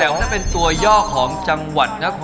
แล้วจะเสียงไม่มา